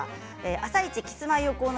「あさイチ」「キスマイ横尾の！